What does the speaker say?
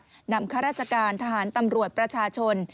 นำข้าราชการทหารตำรวจประชาชน